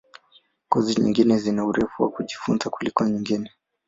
Kozi nyingine zina urefu wa kujifunza kuliko nyingine.